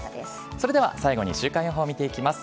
それでは最後に週間予報、見ていきます。